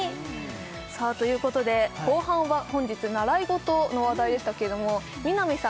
さあということで後半は本日習い事の話題でしたけれども南さん